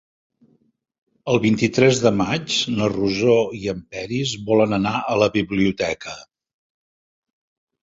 El vint-i-tres de maig na Rosó i en Peris volen anar a la biblioteca.